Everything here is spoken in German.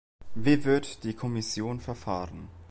Wie wird die Kommission verfahren?